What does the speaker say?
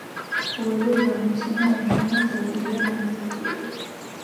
ორივე გამოცემა ამჟამად გაყიდვიდან ამოღებულია.